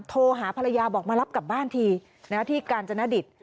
โทรหาภรรยาบอกมารับกลับบ้านทีที่กาญจนดิต